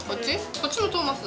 こっちもトーマス。